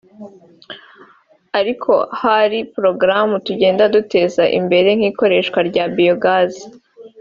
ariko hari porogaramu tugenda duteza imbere nk’ikoreshwa rya biyogazi